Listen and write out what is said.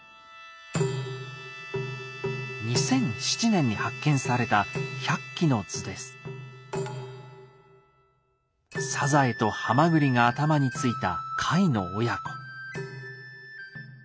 ２００７年に発見されたさざえとはまぐりが頭についた貝の親子。